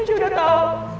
na'ju udah tau